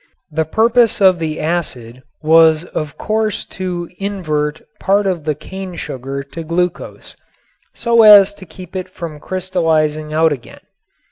The purpose of the acid was of course to invert part of the cane sugar to glucose so as to keep it from crystallizing out again.